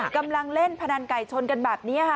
กำลังเล่นพนันไก่ชนกันแบบนี้ค่ะ